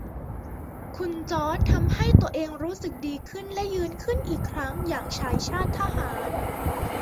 คุณจอร์จทำให้ตัวเองรู้สึกดีขึ้นและยืนขึิ้นอีกครั้งอย่างชายชาติทหาร